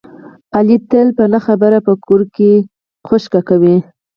علي تل په نه خبره په کور کې خشکې کوي.